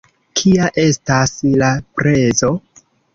Kia estas la prezo?